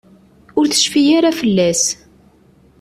Ur tecfi ara fell-as.